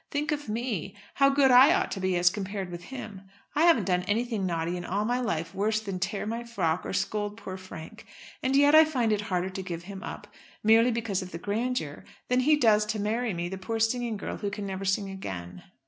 Think of me, how good I ought to be, as compared with him. I haven't done anything naughty in all my life worse than tear my frock, or scold poor Frank; and yet I find it harder to give him up, merely because of the grandeur, than he does to marry me, the poor singing girl, who can never sing again.